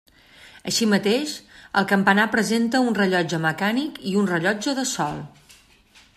Així mateix, el campanar presenta un rellotge mecànic i un rellotge de sol.